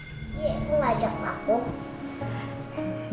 iya aku ngajak pak om